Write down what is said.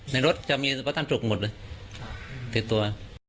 ในรถจะมีสปะตันจุกหมดเลยติดตัว